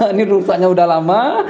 ini rusaknya udah lama